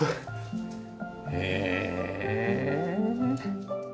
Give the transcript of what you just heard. へえ。